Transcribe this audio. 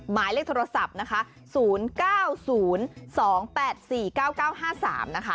หมายเลขโทรศัพท์นะคะ๐๙๐๒๘๔๙๙๕๓นะคะ